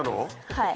はい。